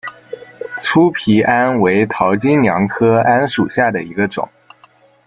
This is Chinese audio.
粗皮桉为桃金娘科桉属下的一个种。